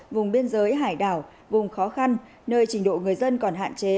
vùng biên giới hải đảo vùng khó khăn nơi trình độ người dân còn hạn chế